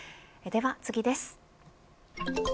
では次です。